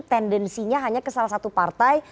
tendensinya hanya ke salah satu partai